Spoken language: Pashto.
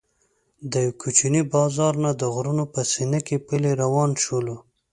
د یوه کوچني بازار نه د غرونو په سینه کې پلی روان شولو.